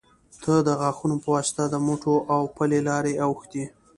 ته د غاښو يه واسطه د موټو او پلې لارې اوښتي